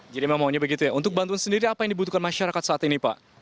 jadi memang maunya begitu ya untuk bantuan sendiri apa yang dibutuhkan masyarakat saat ini pak